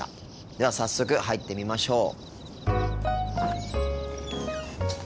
では早速入ってみましょう。